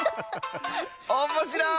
おっもしろい！